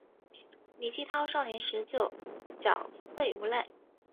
李继韬少年时就狡狯无赖。